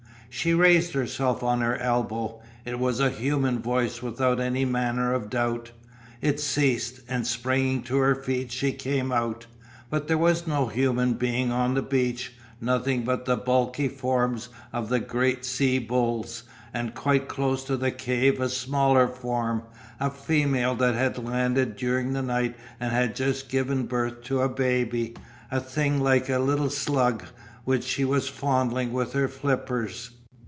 She raised herself on her elbow. It was a human voice without any manner of doubt. It ceased, and springing to her feet she came out. But there was no human being on the beach, nothing but the bulky forms of the great sea bulls, and quite close to the cave a smaller form, a female that had landed during the night and had just given birth to a baby, a thing like a slug which she was fondling with her flippers.